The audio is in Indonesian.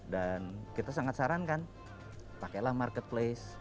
dan kita sangat sarankan pakailah marketplace